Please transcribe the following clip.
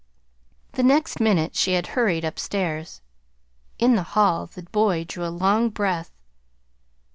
The next minute she had hurried up stairs. In the hall the boy drew a long breath.